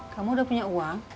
kamu udah punya uang